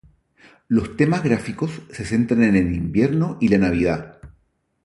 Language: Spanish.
Los temas gráficos se centran en el invierno y la Navidad.